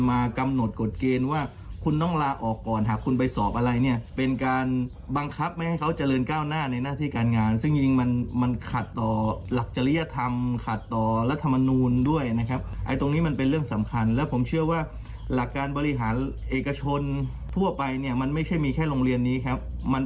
และโรงเรียนอื่นเขามีการบริหารจัดการที่ดีกว่า